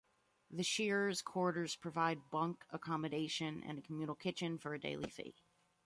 The shearers' quarters provide bunk accommodation, and a communal kitchen for a daily fee.